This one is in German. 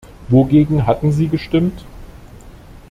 Wogegen hatten sie gestimmt?